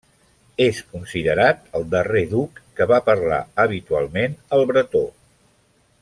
És considerat el darrer duc que va parlar habitualment el bretó.